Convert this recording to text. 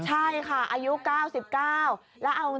ใช่ค่ะอายุเก้าสิบเก้าแล้วเอาจริง